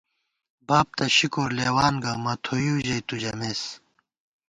باب تہ شکر لېوان گہ ، مہ تھوئیؤ ژَئی تُو ژَمېس